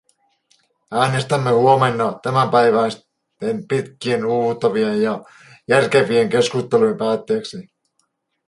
Äänestämme huomenna tämänpäiväisten pitkien, uuvuttavien ja järkevien keskustelujen päätteeksi.